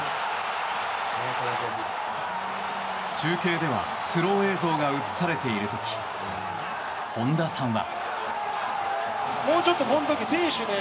中継ではスロー映像が映されている時本田さんは。